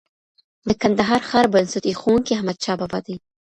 د کندهار ښار بنسټ ايښونکی احمد شاه بابا دی